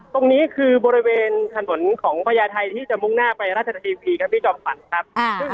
ตรงนี้คือบริเวณถนนของพญาไทยที่จะมุ่งหน้าไปราชทีวีครับพี่จอมขวัญครับ